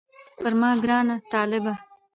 پر ما ګران طالبه